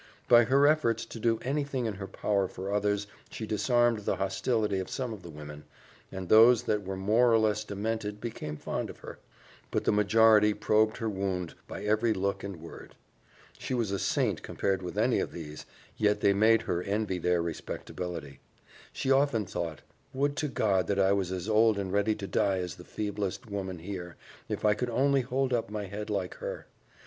By her efforts to do anything in her power for others she disarmed the hostility of some of the women, and those that were more or less demented became fond of her; but the majority probed her wound by every look and word. She was a saint compared with any of these, yet they made her envy their respectability. She often thought, "Would to God that I was as old and ready to die as the feeblest woman here, if I could only hold up my head like her!"